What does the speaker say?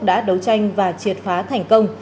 đã đấu tranh và triệt phá thành công